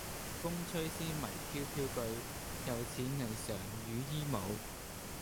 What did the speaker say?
風吹仙袂飄飄舉，猶似霓裳羽衣舞。